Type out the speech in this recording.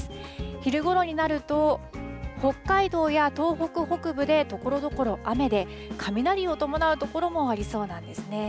昼ごろになると、北海道や東北北部でところどころ雨で、雷を伴う所もありそうなんですね。